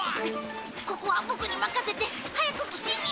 ここはボクに任せて早く岸に。